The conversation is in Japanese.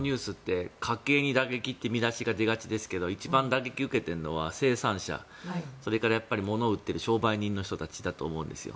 このニュースって家計に打撃という見出しが出がちですが一番打撃を受けているのは生産者それから物を売っている商売人だと思うんですよ。